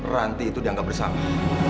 ranti itu dianggap bersalah